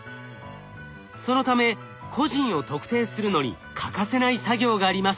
そのため個人を特定するのに欠かせない作業があります。